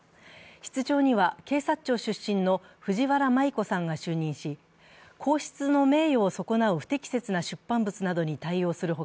室長には、警察庁出身の藤原麻衣子さんが就任し、皇室の名誉を損なう不適切な出版物などに対応する他、